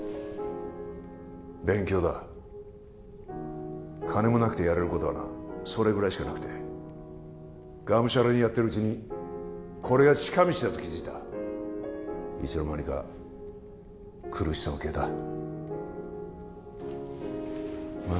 勉強だ金もなくてやれることはなそれぐらいしかなくてがむしゃらにやってるうちにこれが近道だと気づいたいつの間にか苦しさも消えたまあ